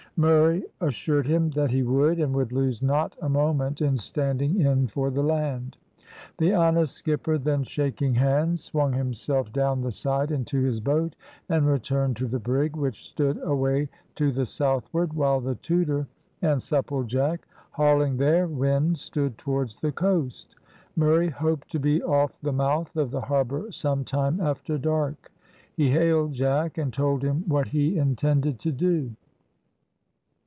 Murray assured him that he would, and would lose not a moment in standing in for the land. The honest skipper then shaking hands, swung himself down the side into his boat, and returned to the brig, which stood away to the southward, while the Tudor and Supplejack, hauling their wind, stood towards the coast. Murray hoped to be off the mouth of the harbour some time after dark. He hailed Jack, and told him what he intended to do.